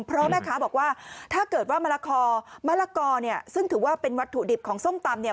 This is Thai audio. เพราะแม่คะบอกว่าถ้าเกิดว่ามะละกอซึ่งถือว่าเป็นวัตถุดิบของส้มตำ